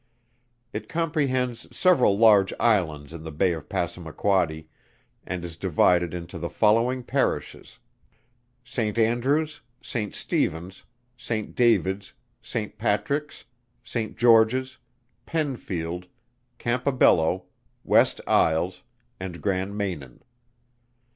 It comprehends several large Islands in the Bay of Passamaquoddy, and is divided into the following Parishes: St. Andrews, St. Stephens, St. Davids, St. Patricks, St. Georges, Pennfield, Campobello, West Isles, and Grand Manan.